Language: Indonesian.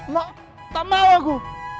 mok tak mau aku